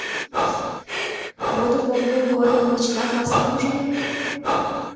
— Модым погымем годым мый чынак маскам ужынам мо?